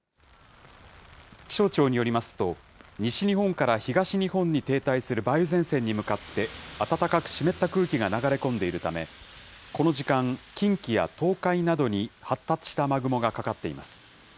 気象庁によりますと、西日本から東日本の停滞する梅雨前線に向かって、暖かく湿った空気が流れ込んでいるため、この時間、近畿や東海などに発達した雨雲がかかっています。